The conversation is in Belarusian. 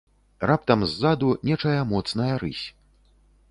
Раптам ззаду нечая моцная рысь.